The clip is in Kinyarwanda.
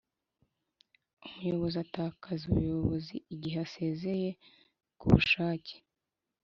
Umuyobozi atakaza ubuyobozi igihe asezeye ku bushake